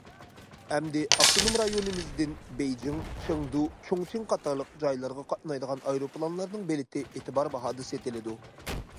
ئەمدى ئاپتونوم رايونىمىزدىن بېيجىڭ، چېڭدۇ، چۇڭچىڭ قاتارلىق جايلارغا قاتنايدىغان ئايروپىلانلارنىڭ بېلىتى ئېتىبار باھادا سېتىلىدۇ.